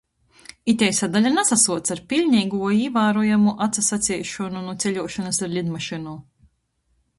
Itei sadaļa nasasuoc ar piļneigu voi īvārojamu atsasaceišonu nu ceļuošonys ar lidmašynu.